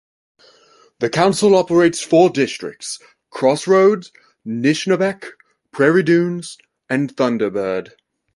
The Council operates four districts: Crossroads, Nishnabec, Prairie Dunes, and Thunderbird.